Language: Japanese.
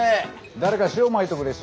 誰か塩まいとくれ塩。